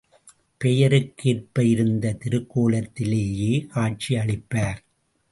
பெயருக்கு ஏற்ப இருந்த திருக்கோலத்திலேயே காட்சி அளிப்பார்.